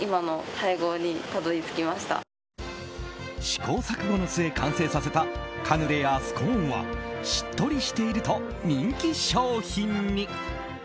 試行錯誤の末、完成させたカヌレやスコーンはしっとりしていると人気商品に。